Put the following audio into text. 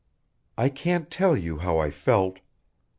"I can't tell you how I felt.